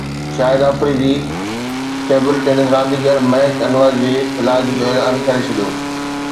شاهد Faridi table tennis رانديگر مهڪ انور جي علاج جو اعلان ڪري ڇڏيو